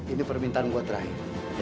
ini permintaan gue terakhir